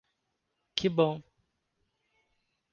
Que bom!